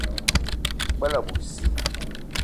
O gbele abui sii.